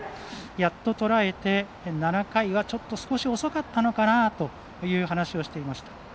やっととらえて７回はちょっと少し遅かったのかなという話をしていました。